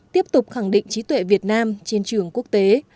tiếp tục khẳng định trí tuệ việt nam trên trường quốc tế